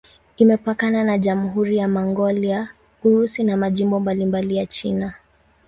Imepakana na Jamhuri ya Mongolia, Urusi na majimbo mbalimbali ya China.